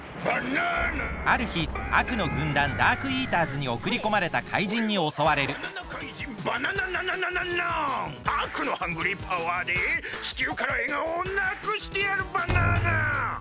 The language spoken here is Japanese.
あるひあくのぐんだんダークイーターズにおくりこまれた怪人におそわれるあくのハングリーパワーで地球からえがおをなくしてやるバナナ！